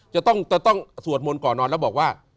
จะต้องสวดมนต์ก่อนนอนแล้วบอกว่า